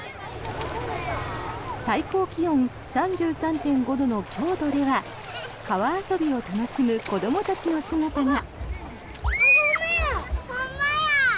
最高気温、３３．５度の京都では川遊びを楽しむ子どもたちの姿が。